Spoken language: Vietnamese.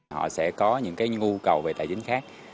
họ sẽ có những cái nhu cầu về tài chính khác